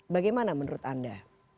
bagaimana menurut anda